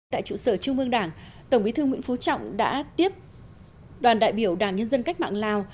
tại trụ sở trung ương đảng tổng bí thư nguyễn phú trọng đã tiếp đoàn đại biểu đảng nhân dân cách mạng lào